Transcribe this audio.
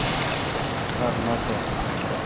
ار نہ تھ۔